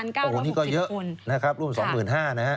๒๔๙๖๐คนโอ้นี่ก็เยอะนะครับร่วม๒๕๐๐๐นะฮะ